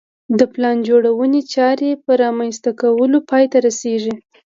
د پلان جوړونې چارې په رامنځته کولو پای ته رسېږي.